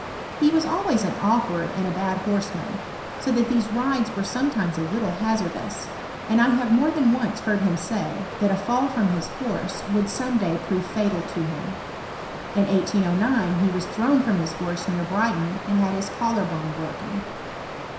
He was always an awkward and a bad horseman, so that these rides were sometimes a little ha^rdous ; and I have more than once heard htm say, that a fall front his horse would some dm prove fatal to him. In 1809 he was thrown from hu horse near Brighton, and had his collar bone broken.